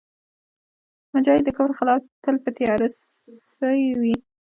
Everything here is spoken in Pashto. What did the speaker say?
مجاهد د کفر خلاف تل په تیارسئ وي.